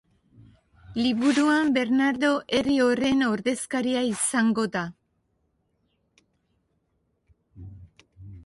Liburuan Bernardo herri horren ordezkaria izango da.